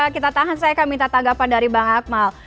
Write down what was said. kita tahan saya akan minta tanggapan dari bang akmal